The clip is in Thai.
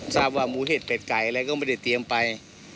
ทราบว่าหมูเห็ดเป็ดไก่อะไรก็ไม่ได้เตรียมไป